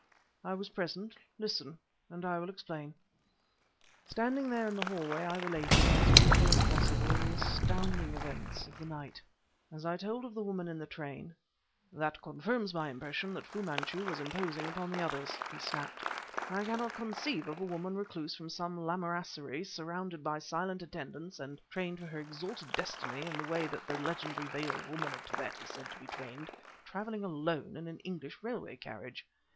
"I was present! Listen, and I will explain." Standing there in the hallway I related, as briefly as possible, the astounding events of the night. As I told of the woman in the train "That confirms my impression that Fu Manchu was imposing upon the others!" he snapped. "I cannot conceive of a woman recluse from some Lamaserie, surrounded by silent attendants and trained for her exalted destiny in the way that the legendary veiled woman of Tibet is said to be trained, traveling alone in an English railway carriage!